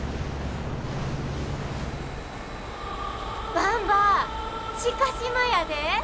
ばんば知嘉島やで！